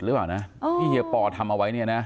หรือเปล่านะที่เฮียปอทำเอาไว้เนี่ยนะ